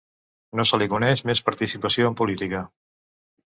No se li coneix més participació en política.